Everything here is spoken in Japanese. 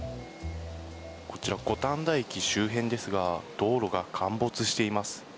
こちら五反田駅周辺ですが道路が陥没しています。